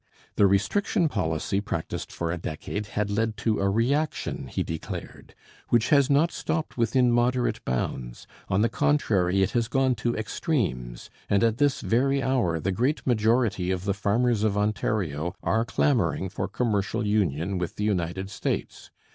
The restriction policy practised for a decade had led to a reaction, he declared, 'which has not stopped within moderate bounds; on the contrary, it has gone to extremes, and at this very hour the great majority of the farmers of Ontario are clamoring for commercial union with the United States....